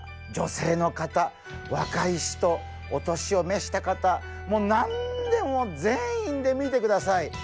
女性の方若い人お年をめした方もう何でも全員で見てください。